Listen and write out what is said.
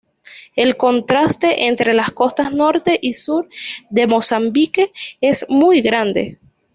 El contraste entre las costas norte y sur de Mozambique es muy grande.